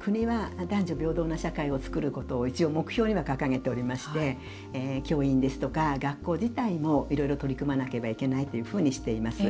国は男女平等な社会を作ることを一応目標には掲げておりまして教員ですとか学校自体もいろいろ取り組まなければいけないというふうにしています。